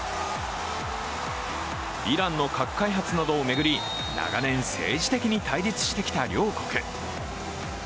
イランの核開発などを巡り、長年、政治的に対立してきた両国。